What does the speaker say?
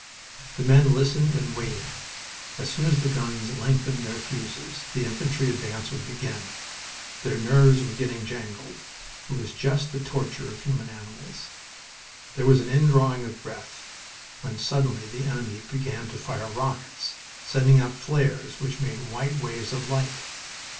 The men listened and waited. As soon as the guns lengthened their fuses the infantry advance would begin. Their nerves were getting jangled. It was just the torture of human animals. There was an indrawing of breath when suddenly the enemy began to fire rockets, sending up flares which made white waves of light.